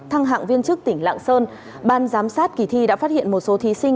thăng hạng viên chức tỉnh lạng sơn ban giám sát kỳ thi đã phát hiện một số thí sinh